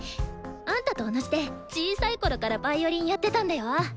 あんたと同じで小さいころからヴァイオリンやってたんだよ。